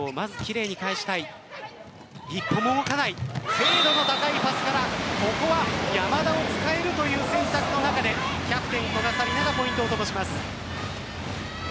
精度の高いパスからここは山田を使えるという選択の中でキャプテン・古賀紗理那がポイントを灯します。